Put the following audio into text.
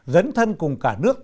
dấn thân cùng cả nước